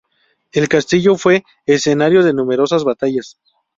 El castillo fue escenario de numerosas batallas.